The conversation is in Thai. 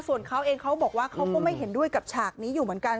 ส่วนเขาเองเขาบอกว่าเขาก็ไม่เห็นด้วยกับฉากนี้อยู่เหมือนกัน